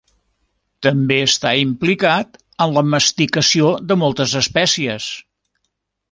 També està implicat en la masticació de moltes espècies.